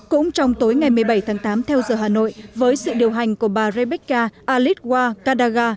cũng trong tối ngày một mươi bảy tháng tám theo giờ hà nội với sự điều hành của bà rebecca alidwa kadaga